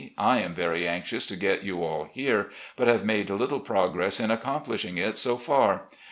I am very anxious to get you all here, but have made little progress in accomplishing it so far.